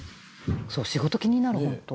そう仕事気になるホント。